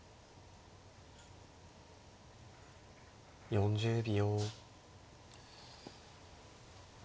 ４０秒。